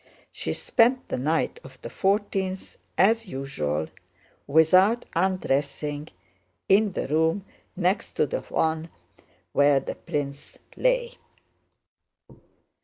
She spent the night of the fourteenth as usual, without undressing, in the room next to the one where the prince lay.